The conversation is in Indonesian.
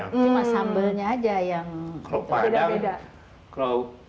cuma sambelnya aja yang beda beda